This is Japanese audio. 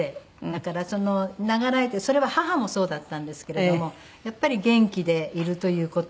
だから永らえてそれは母もそうだったんですけれどもやっぱり元気でいるという事。